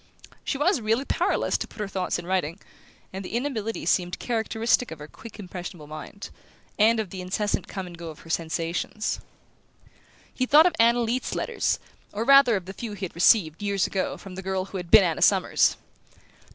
She was really powerless to put her thoughts in writing, and the inability seemed characteristic of her quick impressionable mind, and of the incessant come and go of her sensations. He thought of Anna Leath's letters, or rather of the few he had received, years ago, from the girl who had been Anna Summers.